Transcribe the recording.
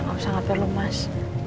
gak usah ngapain lu mas